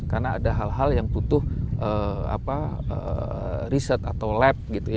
karena ada hal hal yang butuh riset atau lab gitu ya